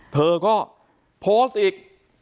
เธอก็โพสต์อีก